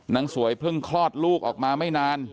นางสวยเพิ่งคลอดลูกออกมาไม่นาน